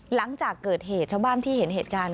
หลังจากเกิดเหตุชาวบ้านที่เห็นเหตุการณ์